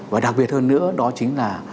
và đặc biệt hơn nữa đó chính là